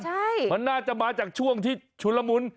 ใช่มันน่าจะมาจากช่วงที่ชุนละมุน